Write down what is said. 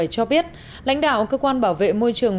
cho biết lãnh đạo cơ quan bảo vệ môi trường